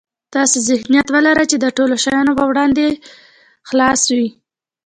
داسې ذهنيت ولره چې د ټولو شیانو په وړاندې خلاص وي.